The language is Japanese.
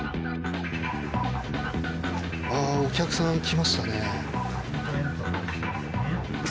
ああお客さん来ましたね。